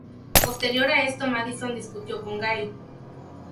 Posterior a esto Madison discutió con Gail.